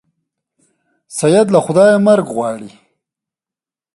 سید له خدایه مرګ غواړي.